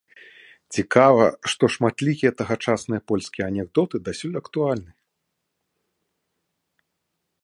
Цікава, што шматлікія тагачасныя польскія анекдоты дасюль актуальны.